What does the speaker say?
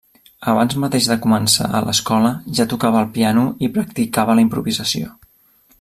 Abans mateix de començar a l'escola, ja tocava el piano i practicava la improvisació.